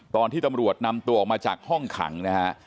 ตอนที่ตำรวจนำตัวออกมาจากห้องขังนะฮะ